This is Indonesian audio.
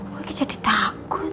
gue jadi takut